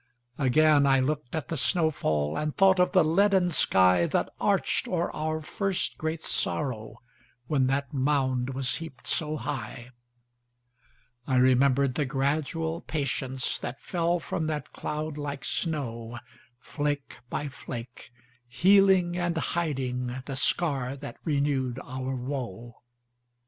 Again I looked at the snow fall, And thought of the leaden skyThat arched o'er our first great sorrow, When that mound was heaped so high.I remembered the gradual patienceThat fell from that cloud like snow, Flake by flake, healing and hidingThe scar that renewed our woe.